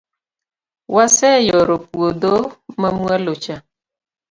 waseyoro puodho ma mwalo cha